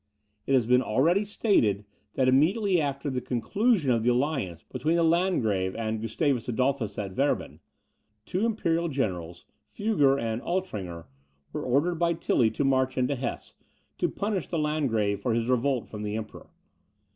It has been already stated that immediately after the conclusion of the alliance between the Landgrave and Gustavus Adolphus at Werben, two imperial generals, Fugger and Altringer, were ordered by Tilly to march into Hesse, to punish the Landgrave for his revolt from the Emperor.